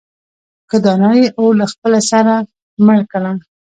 که دانا يې اور له خپله سره مړ کړه.